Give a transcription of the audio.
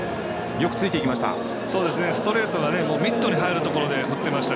よくついていきました。